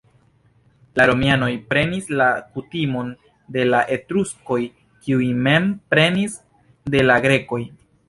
La romianoj prenis la kutimon de la etruskoj, kiuj mem prenis de la grekoj.